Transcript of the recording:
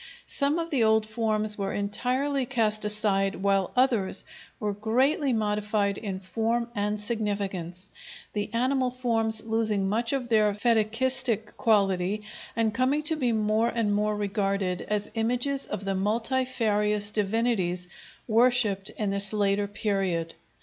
Some of the old forms were entirely cast aside while others were greatly modified in form and significance, the animal forms losing much of their fetichistic quality and coming to be more and more regarded as images of the multifarious divinities worshipped in this later period.